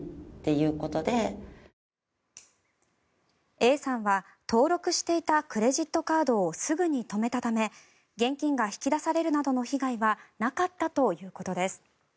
Ａさんは登録していたクレジットカードをすぐに止めたため現金が引き出されるなどの被害はなかったということです。